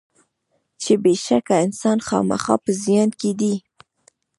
چې بېشکه انسان خامخا په زیان کې دی.